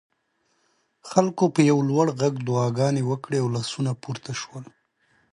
خلکو په یو لوړ غږ دعاګانې وکړې او لاسونه پورته شول.